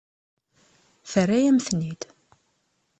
Terra-yam-ten-id.